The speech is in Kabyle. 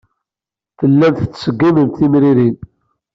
Tellamt tettṣeggimemt timrinin.